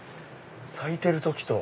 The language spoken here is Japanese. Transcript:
咲いてる時と。